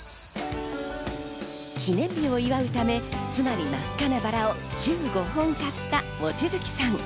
記念日を祝うため、妻に真っ赤なバラを１５本買った望月さん。